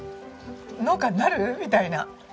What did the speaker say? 農家になる？みたいな。